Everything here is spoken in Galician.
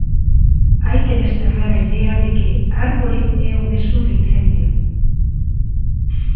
Hai que desterrar a idea de que árbore é o mesmo que incendio.